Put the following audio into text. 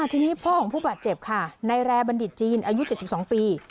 ทีนี้พ่อของผู้ปัดเจ็บค่ะในแรร์บัณฑิตจีนอายุเจ็ดสิบสองปี